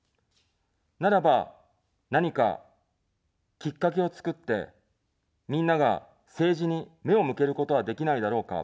ならば、何か、きっかけを作って、みんなが政治に目を向けることはできないだろうか。